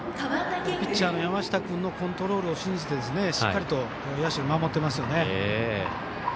ピッチャーの山下君のコントロールを信じて、しっかりと野手が守っていますね。